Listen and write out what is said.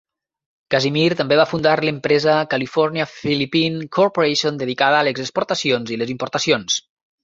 Casimir també va fundar l"empresa California Philippine Corporation dedicada a les exportacions i les importacions.